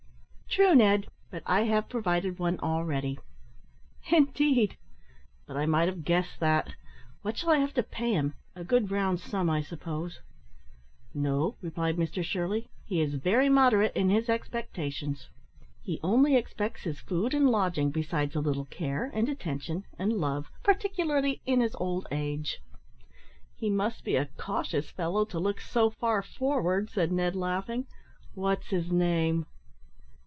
"True, Ned; but I have provided one already." "Indeed! but I might have guessed that. What shall I have to pay him? a good round sum, I suppose." "No," replied Mr Shirley; "he is very moderate in his expectations. He only expects his food and lodging, besides a little care, and attention, and love, particularly in his old age." "He must be a cautious fellow, to look so far forward," said Ned, laughing. "What's his name?"